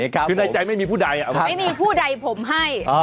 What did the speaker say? คือในใจไม่มีผู้ใดอะเพราะว่า